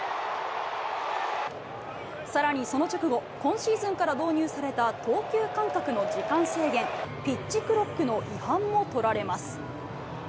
さらにその直後、今シーズンから導入された投球間隔の時間制限、ピッチクロックの違反も取られます。